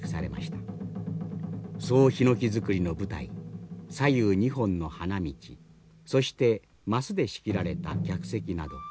総ひのき造りの舞台左右２本の花道そして升で仕切られた客席など